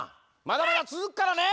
まだまだつづくからね！